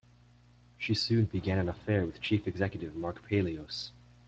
She soon began an affair with chief executive Mark Palios.